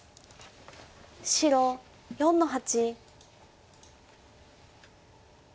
白４の八。